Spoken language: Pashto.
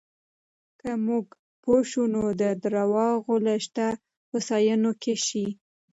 که موږ پوه شو، نو د درواغو له شته هوسایونکی شي.